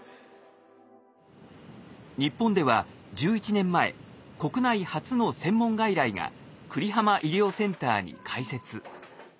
日本では１１年前国内初の専門外来が久里浜医療センターに開設。